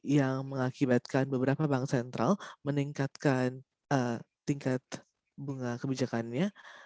yang mengakibatkan beberapa bank sentral meningkatkan tingkat bunga kebijakannya